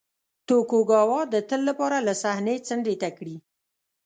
توکوګاوا د تل لپاره له صحنې څنډې ته کړي.